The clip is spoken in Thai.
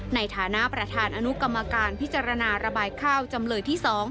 ในฐานะประธานอนุกรรมการพิจารณาระบายข้าวจำเลยที่๒